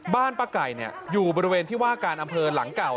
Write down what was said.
ป้าไก่อยู่บริเวณที่ว่าการอำเภอหลังเก่า